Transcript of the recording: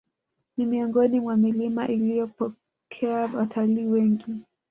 Ni miongoni mwa milima inayopokea watalii wengi